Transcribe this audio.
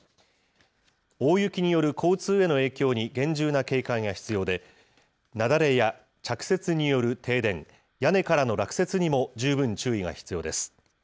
大雪による交通への影響に厳重な警戒が必要で、雪崩や着雪による停電、屋根からの落雪にも十分注意が必要です。